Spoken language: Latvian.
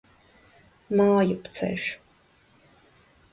Mājupceļš.